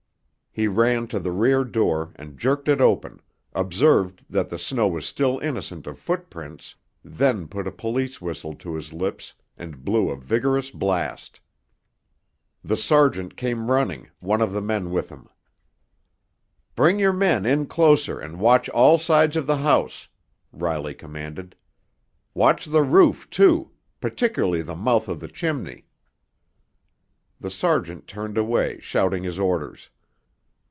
He ran to the rear door and jerked it open, observed that the snow was still innocent of footprints, then put a police whistle to his lips and blew a vigorous blast. The sergeant came running, one of the men with him. "Bring your men in closer and watch all sides of the house!" Riley commanded. "Watch the roof, too, particularly the mouth of the chimney!" The sergeant turned away, shouting his orders.